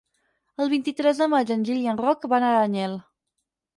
El vint-i-tres de maig en Gil i en Roc van a Aranyel.